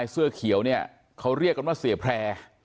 เสื้อเขียวเนี่ยเขาเรียกกันว่าเสียแพร่